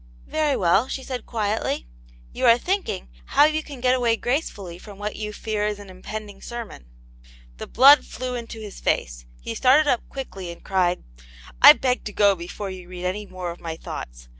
"Very well," she said, quietly, "you are thinking, how you can get away gracefully from what you fear is an impending sermon." The blood flew into his face; he started up quickly, and cried :" I beg to go before* you read any more of my •thoughts.